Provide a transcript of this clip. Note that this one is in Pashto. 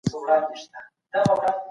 مجلس څنګه حکومت کنټرولوي؟